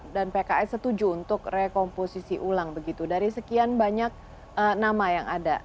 dan pki setuju untuk rekomposisi ulang begitu dari sekian banyak nama yang ada